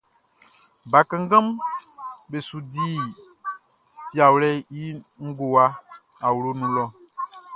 Bakannganʼm be su di fiawlɛʼn i ngowa awloʼn nun lɔ.